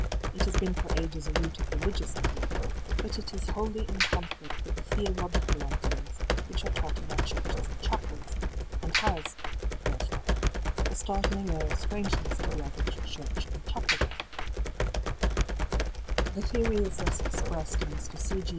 It has been for ages a rooted religious belief, but it is wholly in conflict with the theological ideas which are taught in our churches and chapels, and has, therefore, a startling air of strangeness to the average church and chapel goer. The theory is thus expressed in Mr. C. G.